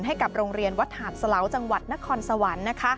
ให้กับโรงเรียนวัดหาดสลาวจังหวัดนครสวรรค์นะคะ